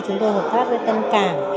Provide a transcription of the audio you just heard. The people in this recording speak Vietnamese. chúng tôi hợp tác với tân càng